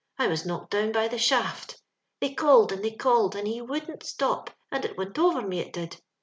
I was knocked down by the shaft They called, and they called, and he wouldn't stop, and it wint over me, it did.